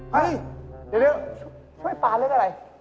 เฮ้ยเดี๋ยวช่วยปลาเรื่องอะไร